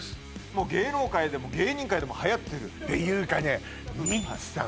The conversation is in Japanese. もう芸能界でも芸人界でも流行ってるていうかね